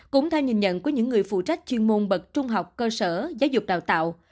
cũng theo nhìn nhận của những người phụ trách chuyên môn bậc trung học cơ sở giáo dục đào tạo